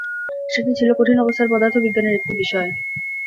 সেটি ছিল কঠিন অবস্থার পদার্থ বিজ্ঞানের একটি বিষয়।